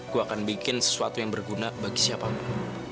gue akan bikin sesuatu yang berguna bagi siapapun